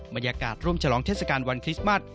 บรรยากาศร่วมฉลองเทศกาลวันคริสต์มัส